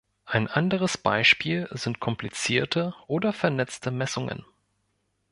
Ein anderes Beispiel sind komplizierte oder vernetzte Messungen.